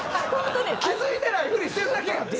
気付いてないふりしてるだけやって。